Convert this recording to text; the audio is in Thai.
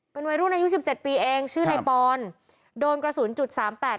เป็นวัยรุ่นอายุสิบเจ็ดปีเองชื่อในปอนโดนกระสุนจุดสามแปด